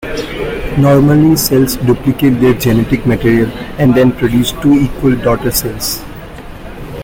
Normally, cells duplicate their genetic material and then produce two equal daughter cells.